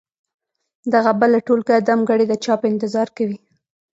دغه بله ټولګه دمګړۍ د چاپ انتظار کوي.